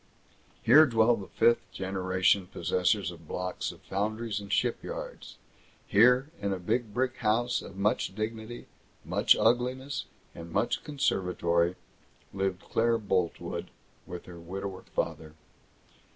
Here dwell the fifth generation possessors of blocks of foundries and shipyards. Here, in a big brick house of much dignity, much ugliness, and much conservatory, lived Claire Boltwood, with her widower father.